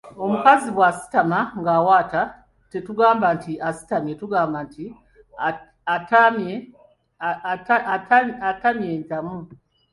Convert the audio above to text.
Omukazi bw’asitama ng’awaata tetugamba nti asitamye tugamba nti atannamye entamu.